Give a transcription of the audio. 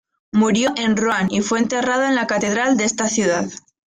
Murió en Ruan y fue enterrado en la catedral de esta ciudad.